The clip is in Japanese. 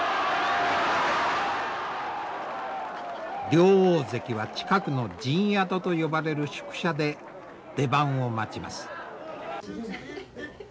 両大関は近くの陣宿と呼ばれる宿舎で出番を待ちます。